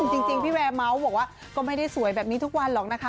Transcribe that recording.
จริงพี่แวร์เมาส์บอกว่าก็ไม่ได้สวยแบบนี้ทุกวันหรอกนะคะ